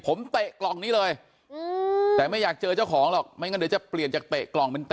ผมเตะกล่องนี้เลยแต่ไม่อยากเจอเจ้าของหรอกไม่งั้นเดี๋ยวจะเปลี่ยนจากเตะกล่องเป็นเตะ